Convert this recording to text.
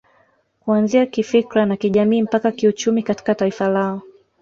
Kuanzia kifikra na kijamii mpaka kiuchumi katika taifa lao